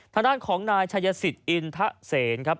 ท่านของนายชายศิษย์อินทศเศรครับ